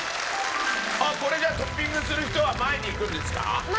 これじゃあトッピングする人は前に行くんですか？